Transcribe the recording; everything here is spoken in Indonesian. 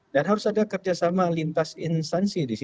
dan harus ada kerjasama lintas instansi